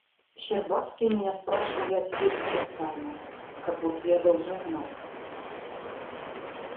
Щербацкие меня спрашивали о тебе беспрестанно, как будто я должен знать.